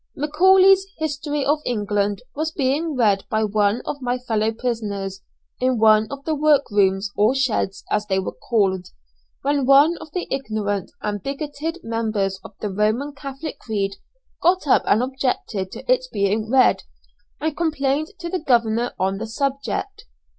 Macaulay's History of England was being read by one of my fellow prisoners, in one of the work rooms, or sheds, as they were called, when one of the ignorant and bigoted members of the Roman Catholic creed got up and objected to its being read, and complained to the governor on the subject.